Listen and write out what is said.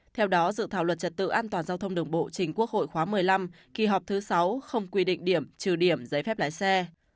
theo đó dự thảo luật trật tự an toàn giao thông đường bộ chính quốc hội khóa một mươi năm kỳ họp thứ sáu không quy định điểm trừ điểm giấy phép lái xe